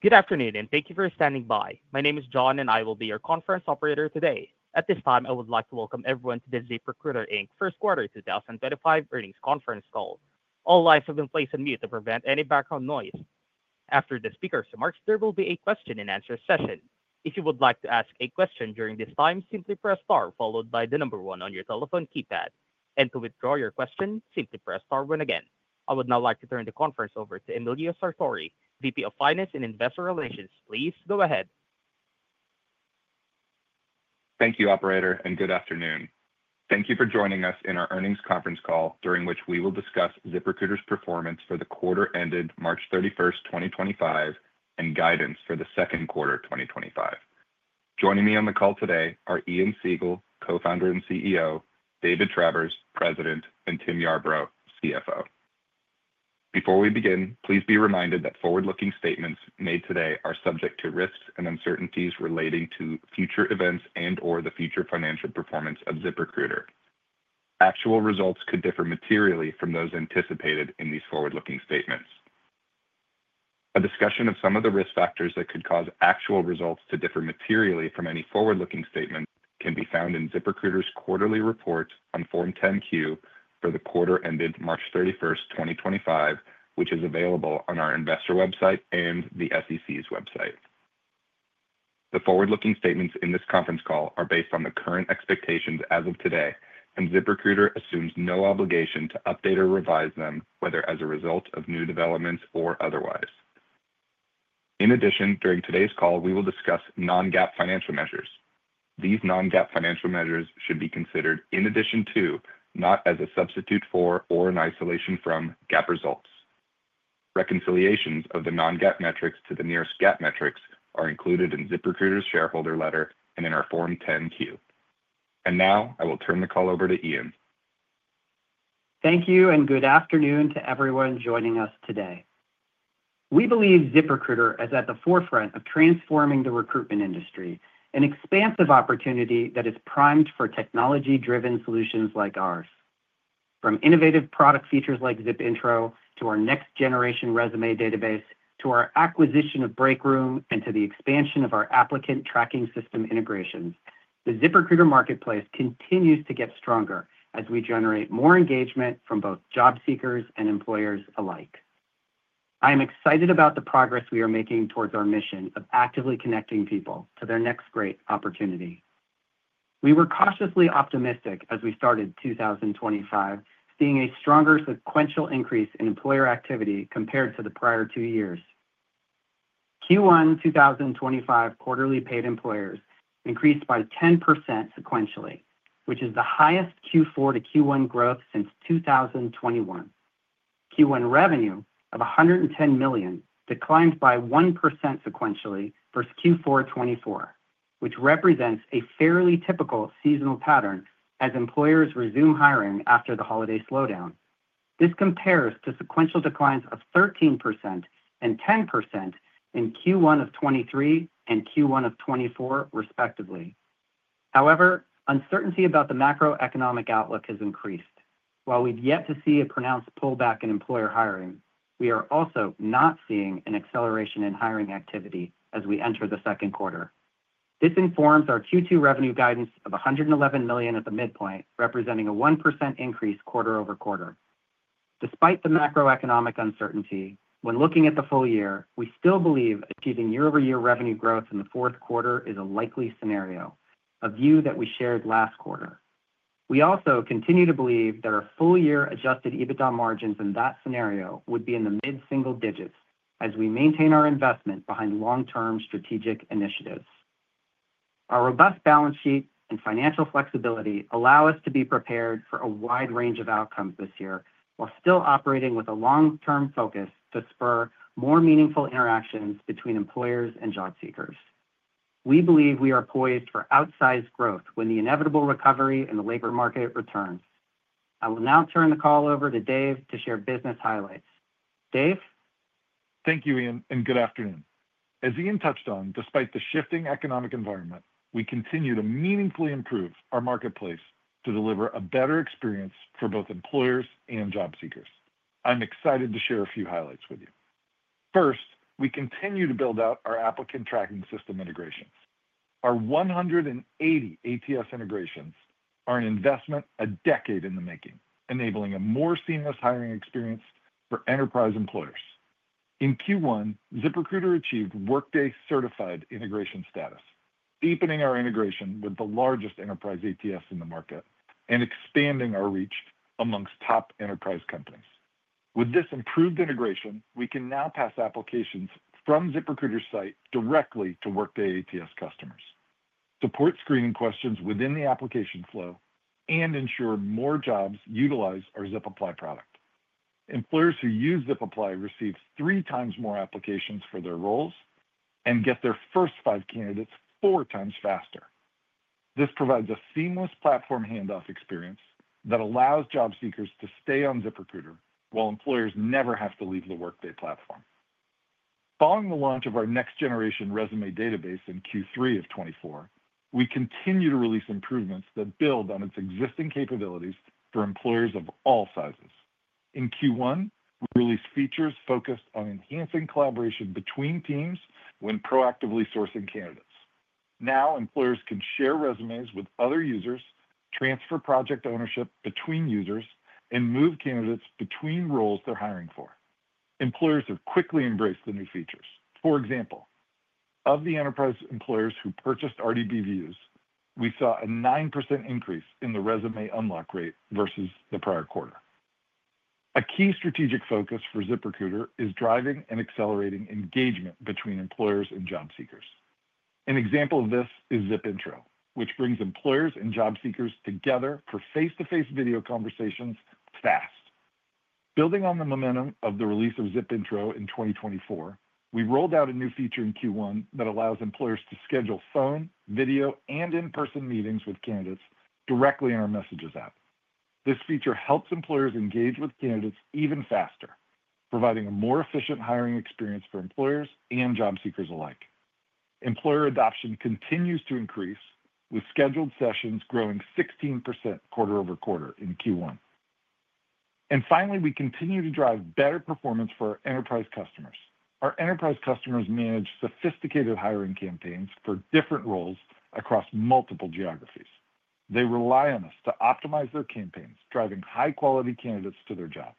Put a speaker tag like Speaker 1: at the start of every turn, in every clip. Speaker 1: Good afternoon, and thank you for standing by. My name is John, and I will be your conference operator today. At this time, I would like to welcome everyone to the ZipRecruiter, Inc First Quarter 2025 Earnings Conference Call. All lines have been placed on mute to prevent any background noise. After the speaker starts, there will be a question-and-answer session. If you would like to ask a question during this time, simply press star followed by the number one on your telephone keypad. To withdraw your question, simply press star one again. I would now like to turn the conference over to Emilio Sartori, VP of Finance and Investor Relations. Please go ahead.
Speaker 2: Thank you, Operator, and good afternoon. Thank you for joining us in our earnings conference call, during which we will discuss ZipRecruiter's performance for the quarter ended March 31st, 2025, and guidance for the second quarter 2025. Joining me on the call today are Ian Siegel, Co-Founder and CEO; David Travers, President; and Tim Yarbrough, CFO. Before we begin, please be reminded that forward-looking statements made today are subject to risks and uncertainties relating to future events and/or the future financial performance of ZipRecruiter. Actual results could differ materially from those anticipated in these forward-looking statements. A discussion of some of the risk factors that could cause actual results to differ materially from any forward-looking statement can be found in ZipRecruiter's quarterly report on Form 10-Q for the quarter ended March 31st, 2025, which is available on our investor website and the SEC's website. The forward-looking statements in this conference call are based on the current expectations as of today, and ZipRecruiter assumes no obligation to update or revise them, whether as a result of new developments or otherwise. In addition, during today's call, we will discuss non-GAAP financial measures. These non-GAAP financial measures should be considered in addition to, not as a substitute for, or in isolation from, GAAP results. Reconciliations of the non-GAAP metrics to the nearest GAAP metrics are included in ZipRecruiter's shareholder letter and in our Form 10-Q. I will turn the call over to Ian.
Speaker 3: Thank you, and good afternoon to everyone joining us today. We believe ZipRecruiter is at the forefront of transforming the recruitment industry, an expansive opportunity that is primed for technology-driven solutions like ours. From innovative product features like ZipIntro to our next-generation resume database, to our acquisition of Breakroom, and to the expansion of our applicant tracking system integrations, the ZipRecruiter marketplace continues to get stronger as we generate more engagement from both job seekers and employers alike. I am excited about the progress we are making towards our mission of actively connecting people to their next great opportunity. We were cautiously optimistic as we started 2025, seeing a stronger sequential increase in employer activity compared to the prior two years. Q1 2025 quarterly paid employers increased by 10% sequentially, which is the highest Q4 to Q1 growth since 2021. Q1 revenue of $110 million declined by 1% sequentially for Q4 2024, which represents a fairly typical seasonal pattern as employers resume hiring after the holiday slowdown. This compares to sequential declines of 13% and 10% in Q1 of 2023 and Q1 of 2024, respectively. However, uncertainty about the macroeconomic outlook has increased. While we've yet to see a pronounced pullback in employer hiring, we are also not seeing an acceleration in hiring activity as we enter the second quarter. This informs our Q2 revenue guidance of $111 million at the midpoint, representing a 1% increase quarter over quarter. Despite the macroeconomic uncertainty, when looking at the full year, we still believe achieving year-over-year revenue growth in the fourth quarter is a likely scenario, a view that we shared last quarter. We also continue to believe that our full-year adjusted EBITDA margins in that scenario would be in the mid-single digits as we maintain our investment behind long-term strategic initiatives. Our robust balance sheet and financial flexibility allow us to be prepared for a wide range of outcomes this year while still operating with a long-term focus to spur more meaningful interactions between employers and job seekers. We believe we are poised for outsized growth when the inevitable recovery in the labor market returns. I will now turn the call over to Dave to share business highlights. Dave?
Speaker 4: Thank you, Ian, and good afternoon. As Ian touched on, despite the shifting economic environment, we continue to meaningfully improve our marketplace to deliver a better experience for both employers and job seekers. I'm excited to share a few highlights with you. First, we continue to build out our applicant tracking system integrations. Our 180 ATS integrations are an investment a decade in the making, enabling a more seamless hiring experience for enterprise employers. In Q1, ZipRecruiter achieved Workday-certified integration status, deepening our integration with the largest enterprise ATS in the market and expanding our reach amongst top enterprise companies. With this improved integration, we can now pass applications from ZipRecruiter's site directly to Workday ATS customers, support screening questions within the application flow, and ensure more jobs utilize our ZipApply product. Employers who use ZipApply receive three times more applications for their roles and get their first five candidates four times faster. This provides a seamless platform handoff experience that allows job seekers to stay on ZipRecruiter while employers never have to leave the Workday platform. Following the launch of our next-generation resume database in Q3 of 2024, we continue to release improvements that build on its existing capabilities for employers of all sizes. In Q1, we released features focused on enhancing collaboration between teams when proactively sourcing candidates. Now, employers can share resumes with other users, transfer project ownership between users, and move candidates between roles they're hiring for. Employers have quickly embraced the new features. For example, of the enterprise employers who purchased RDB Views, we saw a 9% increase in the resume unlock rate versus the prior quarter. A key strategic focus for ZipRecruiter is driving and accelerating engagement between employers and job seekers. An example of this is ZipIntro, which brings employers and job seekers together for face-to-face video conversations fast. Building on the momentum of the release of ZipIntro in 2024, we rolled out a new feature in Q1 that allows employers to schedule phone, video, and in-person meetings with candidates directly in our Messages app. This feature helps employers engage with candidates even faster, providing a more efficient hiring experience for employers and job seekers alike. Employer adoption continues to increase, with scheduled sessions growing 16% quarter over quarter in Q1. Finally, we continue to drive better performance for our enterprise customers. Our enterprise customers manage sophisticated hiring campaigns for different roles across multiple geographies. They rely on us to optimize their campaigns, driving high-quality candidates to their jobs.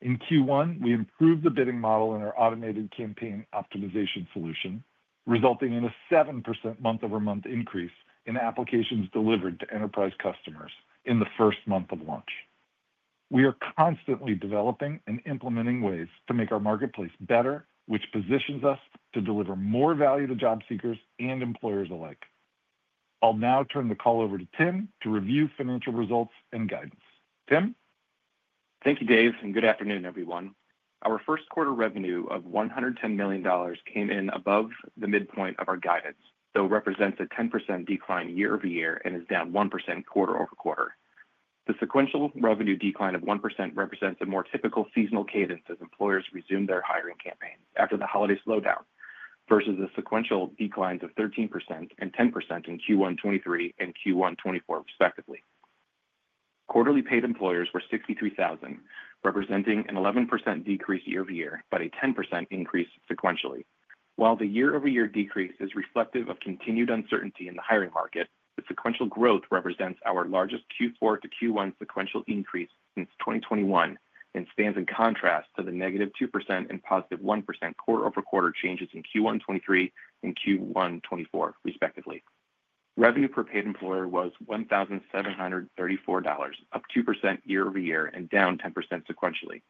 Speaker 4: In Q1, we improved the bidding model in our automated campaign optimization solution, resulting in a 7% month-over-month increase in applications delivered to enterprise customers in the first month of launch. We are constantly developing and implementing ways to make our marketplace better, which positions us to deliver more value to job seekers and employers alike. I'll now turn the call over to Tim to review financial results and guidance. Tim?
Speaker 5: Thank you, Dave, and good afternoon, everyone. Our first quarter revenue of $110 million came in above the midpoint of our guidance, so it represents a 10% decline year-over-year and is down 1% quarter over quarter. The sequential revenue decline of 1% represents a more typical seasonal cadence as employers resume their hiring campaigns after the holiday slowdown, versus the sequential declines of 13% and 10% in Q1 2023 and Q1 2024, respectively. Quarterly paid employers were 63,000, representing an 11% decrease year-over-year but a 10% increase sequentially. While the year-over-year decrease is reflective of continued uncertainty in the hiring market, the sequential growth represents our largest Q4 to Q1 sequential increase since 2021 and stands in contrast to the -2% and +1% quarter-over-quarter changes in Q1 2023 and Q1 2024, respectively. Revenue per paid employer was $1,734, up 2% year-over-year and down 10% sequentially.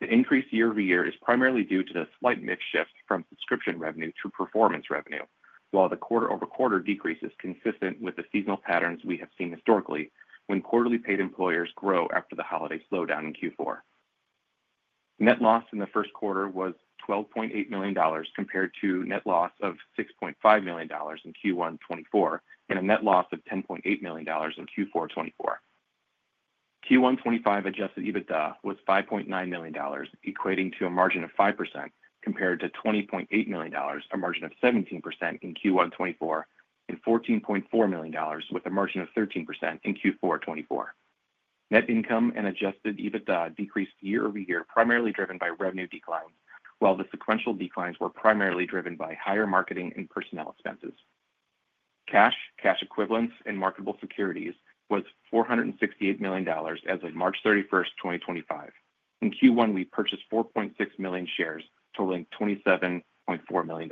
Speaker 5: The increase year-over-year is primarily due to the slight mix shift from subscription revenue to performance revenue, while the quarter-over-quarter decrease is consistent with the seasonal patterns we have seen historically when quarterly paid employers grow after the holiday slowdown in Q4. Net loss in the first quarter was $12.8 million compared to net loss of $6.5 million in Q1 2024 and a net loss of $10.8 million in Q4 2024. Q1 2025 adjusted EBITDA was $5.9 million, equating to a margin of 5% compared to $20.8 million, a margin of 17% in Q1 2024, and $14.4 million with a margin of 13% in Q4 2024. Net income and adjusted EBITDA decreased year-over-year, primarily driven by revenue declines, while the sequential declines were primarily driven by higher marketing and personnel expenses. Cash, cash equivalents, and marketable securities was $468 million as of March 31st, 2025. In Q1, we purchased 4.6 million shares, totaling $27.4 million.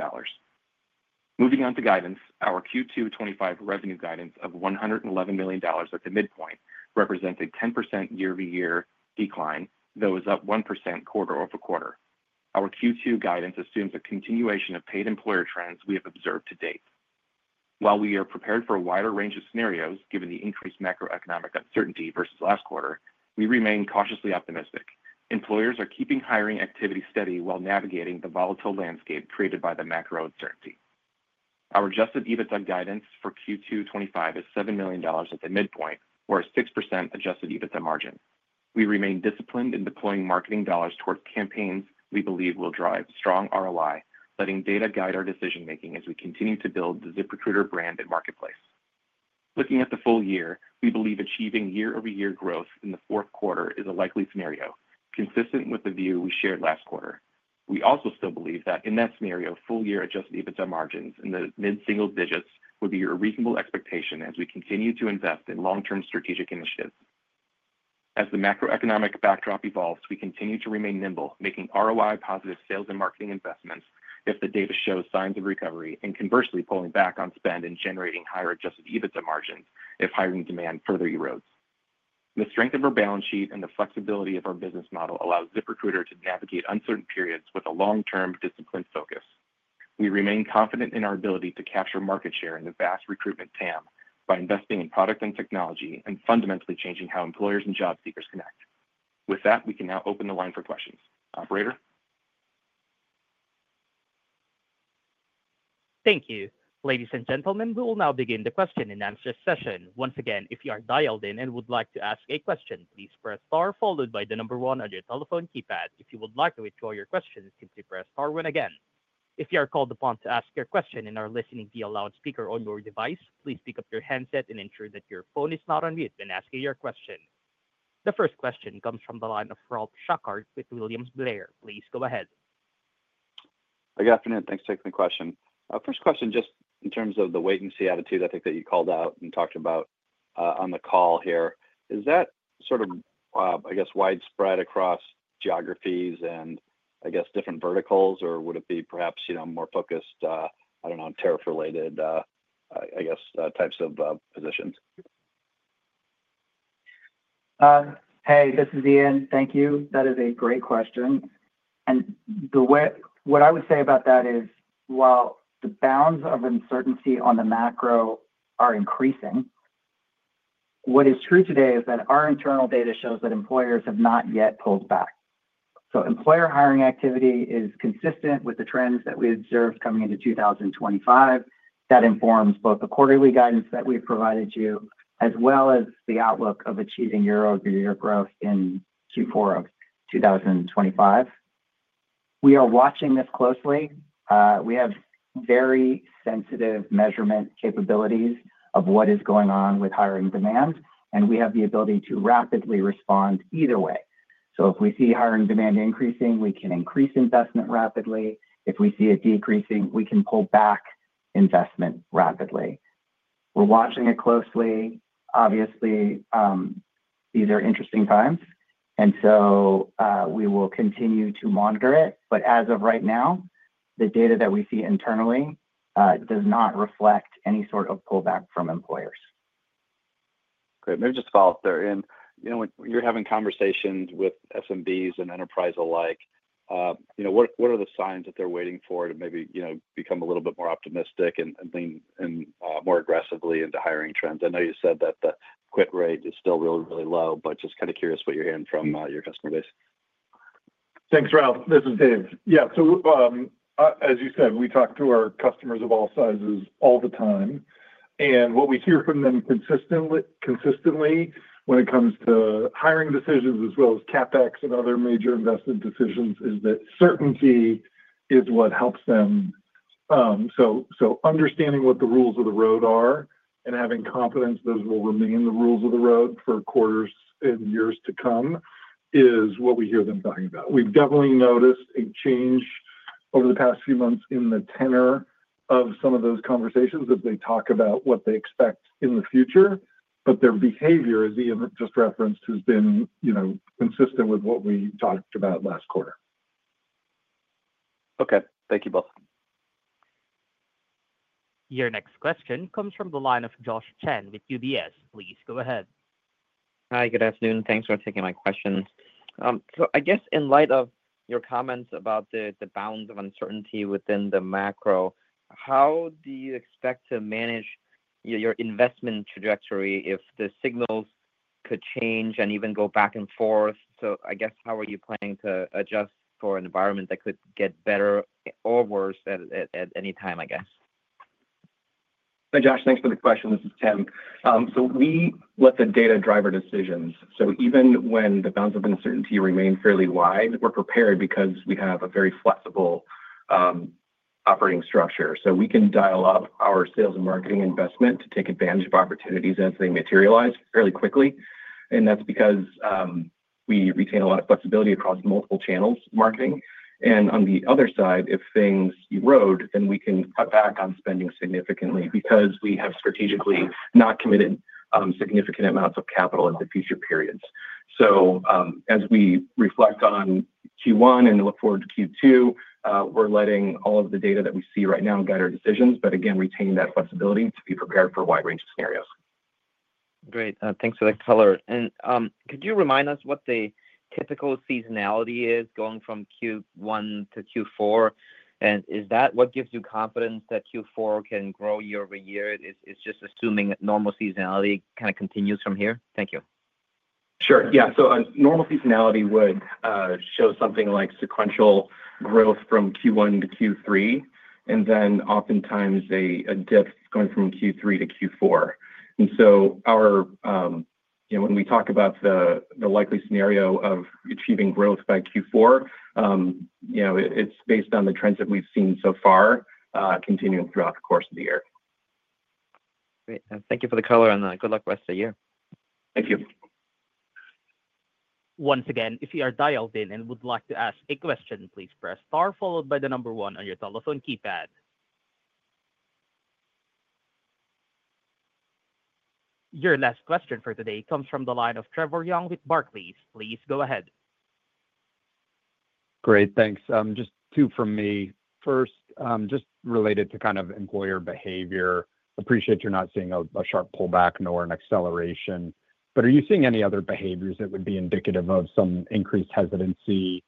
Speaker 5: Moving on to guidance, our Q2 2025 revenue guidance of $111 million at the midpoint represents a 10% year-over-year decline, though it is up 1% quarter over quarter. Our Q2 guidance assumes a continuation of paid employer trends we have observed to date. While we are prepared for a wider range of scenarios given the increased macroeconomic uncertainty versus last quarter, we remain cautiously optimistic. Employers are keeping hiring activity steady while navigating the volatile landscape created by the macro uncertainty. Our adjusted EBITDA guidance for Q2 2025 is $7 million at the midpoint, or a 6% adjusted EBITDA margin. We remain disciplined in deploying marketing dollars towards campaigns we believe will drive strong ROI, letting data guide our decision-making as we continue to build the ZipRecruiter brand and marketplace. Looking at the full year, we believe achieving year-over-year growth in the fourth quarter is a likely scenario, consistent with the view we shared last quarter. We also still believe that in that scenario, full-year adjusted EBITDA margins in the mid-single digits would be a reasonable expectation as we continue to invest in long-term strategic initiatives. As the macroeconomic backdrop evolves, we continue to remain nimble, making ROI-positive sales and marketing investments if the data shows signs of recovery and conversely pulling back on spend and generating higher adjusted EBITDA margins if hiring demand further erodes. The strength of our balance sheet and the flexibility of our business model allow ZipRecruiter to navigate uncertain periods with a long-term disciplined focus. We remain confident in our ability to capture market share in the vast recruitment TAM by investing in product and technology and fundamentally changing how employers and job seekers connect. With that, we can now open the line for questions. Operator?
Speaker 1: Thank you. Ladies and gentlemen, we will now begin the question and answer session. Once again, if you are dialed in and would like to ask a question, please press star followed by the number one on your telephone keypad. If you would like to withdraw your questions, simply press star one again. If you are called upon to ask your question and are listening to the allowed speaker on your device, please pick up your handset and ensure that your phone is not on mute when asking your question. The first question comes from the line of Ralph Shackart with William Blair. Please go ahead.
Speaker 6: Good afternoon. Thanks for taking the question. First question, just in terms of the wait-and-see attitude I think that you called out and talked about on the call here, is that sort of, I guess, widespread across geographies and, I guess, different verticals, or would it be perhaps more focused, I don't know, on tariff-related, I guess, types of positions?
Speaker 3: Hey, this is Ian. Thank you. That is a great question. What I would say about that is, while the bounds of uncertainty on the macro are increasing, what is true today is that our internal data shows that employers have not yet pulled back. Employer hiring activity is consistent with the trends that we observed coming into 2025. That informs both the quarterly guidance that we've provided you as well as the outlook of achieving year-over-year growth in Q4 of 2025. We are watching this closely. We have very sensitive measurement capabilities of what is going on with hiring demand, and we have the ability to rapidly respond either way. If we see hiring demand increasing, we can increase investment rapidly. If we see it decreasing, we can pull back investment rapidly. We're watching it closely. Obviously, these are interesting times, and so we will continue to monitor it. As of right now, the data that we see internally does not reflect any sort of pullback from employers.
Speaker 6: Great. Maybe just follow up there. When you're having conversations with SMBs and enterprise alike, what are the signs that they're waiting for to maybe become a little bit more optimistic and lean more aggressively into hiring trends? I know you said that the quit rate is still really, really low, but just kind of curious what you're hearing from your customer base.
Speaker 4: Thanks, Ralph. This is Dave. Yeah. As you said, we talk to our customers of all sizes all the time. What we hear from them consistently when it comes to hiring decisions as well as CapEx and other major investment decisions is that certainty is what helps them. Understanding what the rules of the road are and having confidence those will remain the rules of the road for quarters and years to come is what we hear them talking about. We've definitely noticed a change over the past few months in the tenor of some of those conversations as they talk about what they expect in the future, but their behavior, as Ian just referenced, has been consistent with what we talked about last quarter.
Speaker 6: Okay. Thank you both.
Speaker 1: Your next question comes from the line of Josh Chen with UBS. Please go ahead.
Speaker 7: Hi, good afternoon. Thanks for taking my question. I guess in light of your comments about the bounds of uncertainty within the macro, how do you expect to manage your investment trajectory if the signals could change and even go back and forth? I guess how are you planning to adjust for an environment that could get better or worse at any time, I guess?
Speaker 5: Hi, Josh. Thanks for the question. This is Tim. We let the data drive our decisions. Even when the bounds of uncertainty remain fairly wide, we're prepared because we have a very flexible operating structure. We can dial up our sales and marketing investment to take advantage of opportunities as they materialize fairly quickly. That's because we retain a lot of flexibility across multiple channels of marketing. On the other side, if things erode, then we can cut back on spending significantly because we have strategically not committed significant amounts of capital in the future periods. As we reflect on Q1 and look forward to Q2, we're letting all of the data that we see right now guide our decisions, but again, retain that flexibility to be prepared for a wide range of scenarios.
Speaker 7: Great. Thanks for the color. Could you remind us what the typical seasonality is going from Q1 to Q4? Is that what gives you confidence that Q4 can grow year-over-year? It's just assuming that normal seasonality kind of continues from here. Thank you.
Speaker 5: Sure. Yeah. Normal seasonality would show something like sequential growth from Q1 to Q3, and then oftentimes a dip going from Q3 to Q4. When we talk about the likely scenario of achieving growth by Q4, it's based on the trends that we've seen so far continuing throughout the course of the year.
Speaker 7: Great. Thank you for the color, and good luck rest of the year.
Speaker 5: Thank you.
Speaker 1: Once again, if you are dialed in and would like to ask a question, please press star followed by the number one on your telephone keypad. Your last question for today comes from the line of Trevor Young with Barclays. Please go ahead.
Speaker 8: Great. Thanks. Just two from me. First, just related to kind of employer behavior. Appreciate you're not seeing a sharp pullback nor an acceleration. Are you seeing any other behaviors that would be indicative of some increased hesitancy?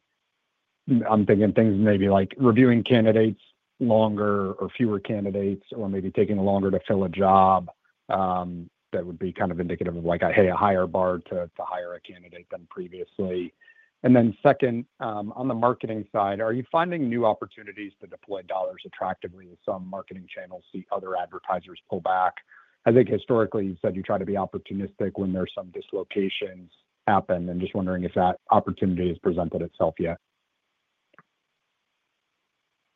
Speaker 8: I'm thinking things maybe like reviewing candidates longer or fewer candidates or maybe taking longer to fill a job that would be kind of indicative of, like, I hit a higher bar to hire a candidate than previously. Second, on the marketing side, are you finding new opportunities to deploy dollars attractively if some marketing channels see other advertisers pull back? I think historically you said you try to be opportunistic when there's some dislocations happen. I'm just wondering if that opportunity has presented itself yet.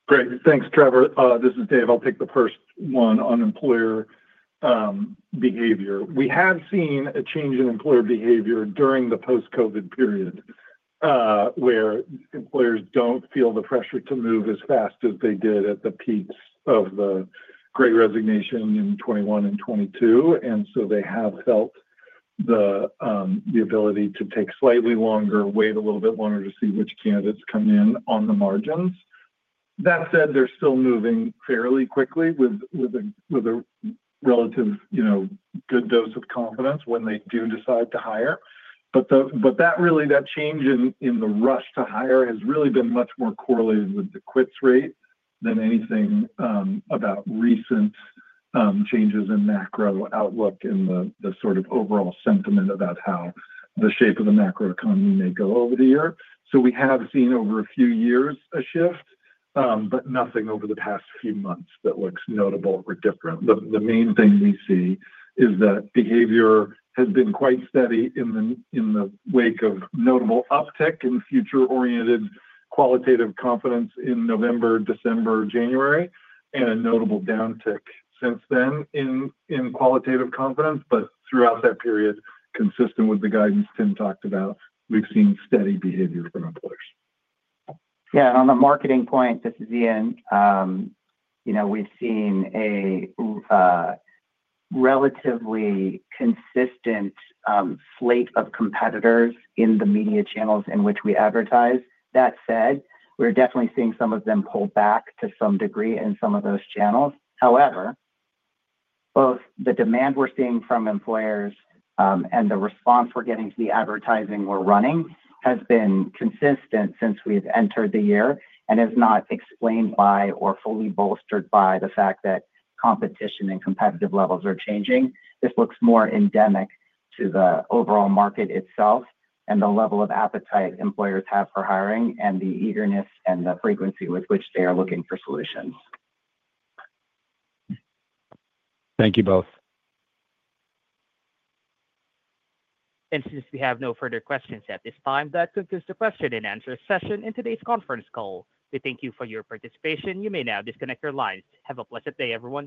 Speaker 4: Great. Thanks, Trevor. This is Dave. I'll take the first one on employer behavior. We have seen a change in employer behavior during the post-COVID period where employers don't feel the pressure to move as fast as they did at the peaks of the great resignation in 2021 and 2022. They have felt the ability to take slightly longer, wait a little bit longer to see which candidates come in on the margins. That said, they're still moving fairly quickly with a relative good dose of confidence when they do decide to hire. That change in the rush to hire has really been much more correlated with the quits rate than anything about recent changes in macro outlook and the sort of overall sentiment about how the shape of the macro economy may go over the year. We have seen over a few years a shift, but nothing over the past few months that looks notable or different. The main thing we see is that behavior has been quite steady in the wake of notable uptick in future-oriented qualitative confidence in November, December, January, and a notable downtick since then in qualitative confidence. Throughout that period, consistent with the guidance Tim talked about, we've seen steady behavior from employers.
Speaker 3: Yeah. On the marketing point, this is Ian. We've seen a relatively consistent slate of competitors in the media channels in which we advertise. That said, we're definitely seeing some of them pull back to some degree in some of those channels. However, both the demand we're seeing from employers and the response we're getting to the advertising we're running has been consistent since we've entered the year and is not explained by or fully bolstered by the fact that competition and competitive levels are changing. This looks more endemic to the overall market itself and the level of appetite employers have for hiring and the eagerness and the frequency with which they are looking for solutions.
Speaker 8: Thank you both.
Speaker 1: Since we have no further questions at this time, that concludes the question and answer session in today's conference call. We thank you for your participation. You may now disconnect your lines. Have a pleasant day, everyone.